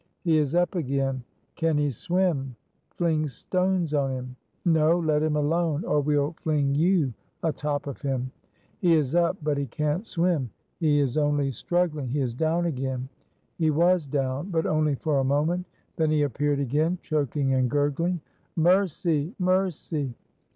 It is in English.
"He is up again!" "Can he swim?" "Fling stones on him." "No! Let him alone, or we'll fling you atop of him." "He is up, but he can't swim. He is only struggling! he is down again!" He was down, but only for a moment; then he appeared again choking and gurgling. "Mercy! mercy!"